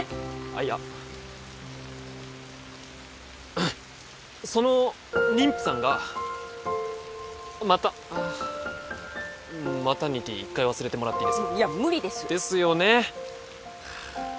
あっいやその妊婦さんが股あっマタニティー一回忘れてもらっていいですかいや無理ですですよねは